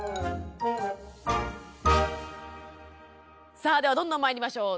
さあではどんどんまいりましょう。